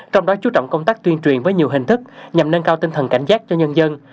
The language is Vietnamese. trong đó chú trọng công tác tuyên truyền với nhiều hình thức nhằm nâng cao tinh thần cảnh giác cho nhân dân